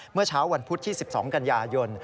เมื่อเช้าวันพุธที่๑๒กันยายน